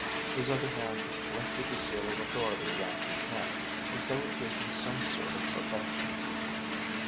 His other hand went to the seal of authority around his neck, as though it gave him some sort of protection.